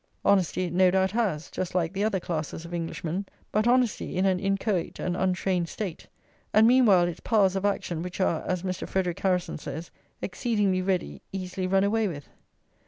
Honesty it no doubt has, just like the other classes of Englishmen, but honesty in an inchoate and untrained state; and meanwhile its powers of action, which are, as Mr. Frederic Harrison says, exceedingly ready, easily run away with it.